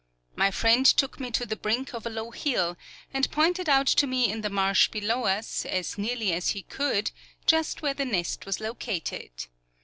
My friend took me to the brink of a low hill, and pointed out to me in the marsh below us, as nearly as he could, just where the nest was located.